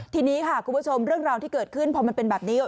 ทีนี้ค่ะคุณผู้ชมเรื่องราวที่เกิดขึ้นพอมันเป็นแบบนี้